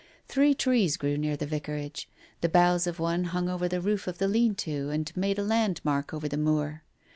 Three trees grew near the Vicarage : the boughs of one hung over the roof of the lean to, and made a land mark over the moor.